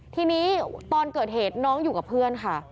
ทีนี้ตอนเกิดเหตุน้องอยู่กับเพื่อนค่ะ